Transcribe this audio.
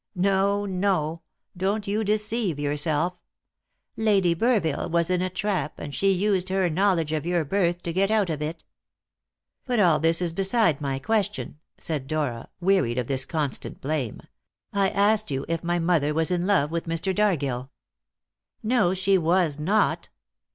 No, no; don't you deceive yourself. Lady Burville was in a trap, and she used her knowledge of your birth to get out of it." "But all this is beside my question," said Dora, wearied of this constant blame; "I asked you if my mother was in love with Mr. Dargill?" "No, she was not.